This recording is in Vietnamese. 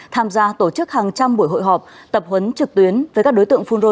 tham gia tổ chức hàng trăm buổi hội họp tập huấn trực tuyến với các đối tượng phun rô